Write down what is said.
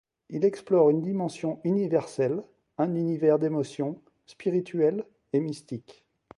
Il explore une dimension universelle, un univers d'émotions, spirituel et mystique.